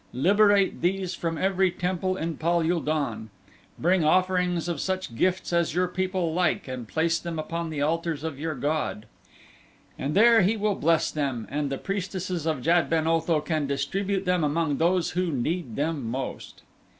Liberate these from every temple in Pal ul don. Bring offerings of such gifts as your people like and place them upon the altars of your god. And there he will bless them and the priestesses of Jad ben Otho can distribute them among those who need them most."